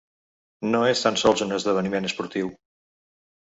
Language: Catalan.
No és tan sols un esdeveniment esportiu.